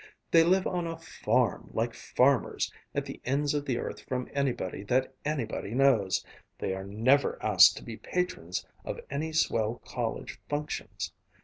They live on a farm, like farmers, at the ends of the earth from anybody that anybody knows. They are never asked to be patrons of any swell college functions.